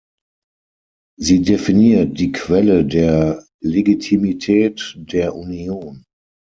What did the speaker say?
Sie definiert die Quelle der Legitimität der Union.